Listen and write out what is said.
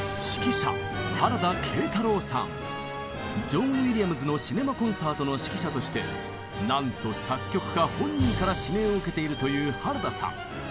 ジョン・ウィリアムズのシネマ・コンサートの指揮者としてなんと作曲家本人から指名を受けているという原田さん。